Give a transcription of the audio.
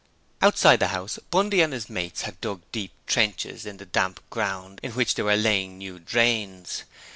Outside the house Bundy and his mates had dug deep trenches in the damp ground in which they were laying new drains.